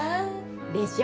でしょ？